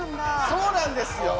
そうなんですよ。